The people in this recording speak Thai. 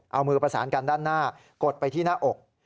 เอามือประสานกันด้านหน้ากดไปที่หน้าอก